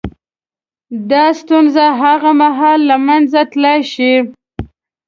• دا ستونزې هغه مهال له منځه تلای شي.